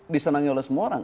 disenangi oleh semua orang